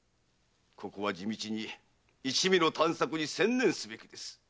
ここは地道に一味の探索に専念すべきです。